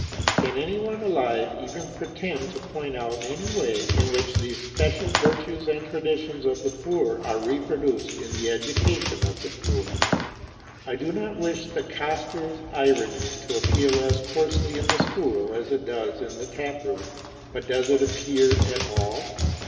Can anyone alive even pretend to point out any way in which these special virtues and traditions of the poor are reproduced in the education of the poor? I do not wish the coster's irony to appeal as coarsely in the school as it does in the tap room; but does it appear at all?